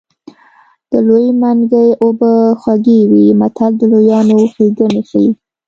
د لوی منګي اوبه خوږې وي متل د لویانو ښېګڼې ښيي